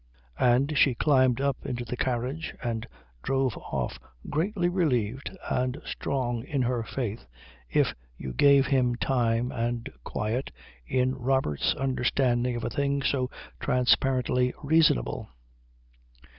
And she climbed up into the carriage and drove off greatly relieved and strong in her faith, if you gave him time and quiet, in Robert's understanding of a thing so transparently reasonable.